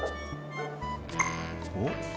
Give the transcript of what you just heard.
おっ？